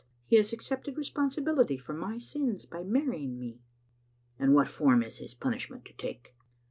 He has accepted responsibility for my sins by marrying me. "" And what form is his punishment to take?"